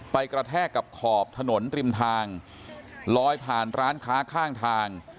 กระแทกกับขอบถนนริมทางลอยผ่านร้านค้าข้างทาง